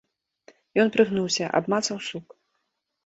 Ён прыгнуўся, абмацаў сук.